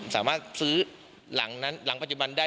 สามารถซื้อหลังปัจจุบันได้